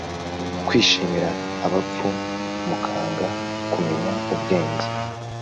kwishimira abapfu mukanga kumenya ubwenge’